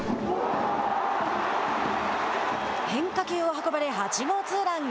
変化球を運ばれ、８号ツーラン。